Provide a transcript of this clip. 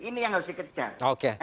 ini yang harus dikejar